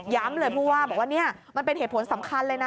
เลยผู้ว่าบอกว่านี่มันเป็นเหตุผลสำคัญเลยนะ